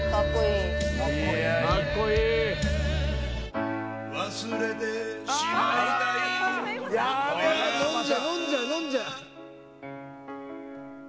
飲んじゃう飲んじゃう飲んじゃう」